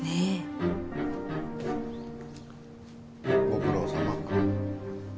ご苦労さま。